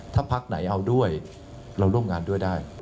ถ้าพักไหนเอาด้วยเราร่วมงานด้วยได้